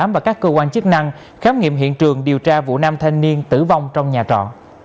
và các cơ quan chức năng khám nghiệm hiện trường điều tra vụ năm thanh niên tử vong trong nhà trọ